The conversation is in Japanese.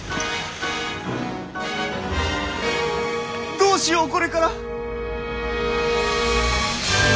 どうしようこれから！